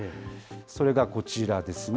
それがこちらですね。